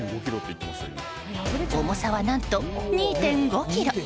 重さは何と２．５ｋｇ。